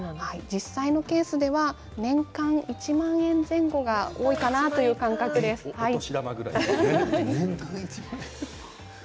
実際のケースでは年間１万円前後が多いかなお年玉ぐらいですね。